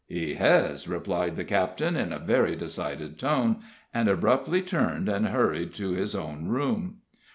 "He hez," replied the captain, in a very decided tone, and abruptly turned, and hurried to his own room.